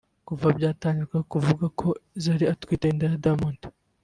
Kuva byatangira kuvugwa ko Zari atwite inda ya Diamond